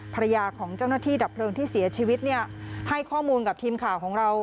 ภรรยาของเจ้าหน้าที่ดับเพลิงที่เสียชีวิตเนี่ยให้ข้อมูลกับทีมข่าวของเรา